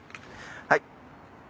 はい。